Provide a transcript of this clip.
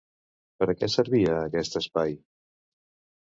Per a què servia, aquest espai?